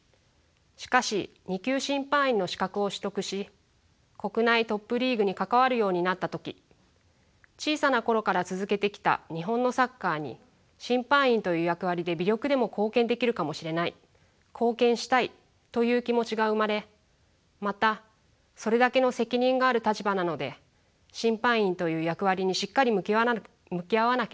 しかし２級審判員の資格を取得し国内トップリーグに関わるようになった時小さな頃から続けてきた日本のサッカーに審判員という役割で微力でも貢献できるかもしれない貢献したいという気持ちが生まれまたそれだけの責任がある立場なので審判員という役割にしっかり向き合わなければと思いました。